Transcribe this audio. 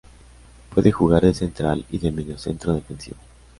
Puede jugar de central y de mediocentro defensivo.